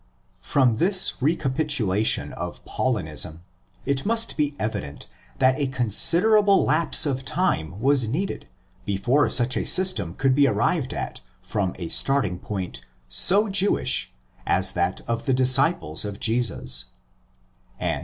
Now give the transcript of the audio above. From this recapitulation of Paulinism, it must be evident that a considerable lapse of time was needed before such a system could be arrived at from a starting point so Jewish as that of the disciples of Jesus.